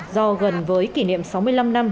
do gần với kỷ niệm sáu mươi năm năm